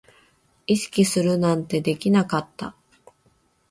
意識するなんてできなかった